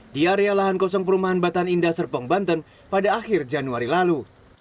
di area lahan kosong perumahan batan indah serpong banten pada akhir januari lalu